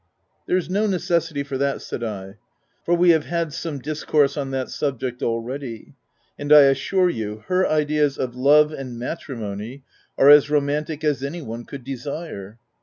9y " There is no necessity for that," said I ; (t for we have had some discourse on that sub ject already, and I assure you her ideas of love and matrimony are as romantic as any one could desire."